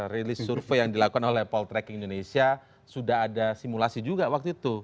release survey yang dilakukan oleh poltrek indonesia sudah ada simulasi juga waktu itu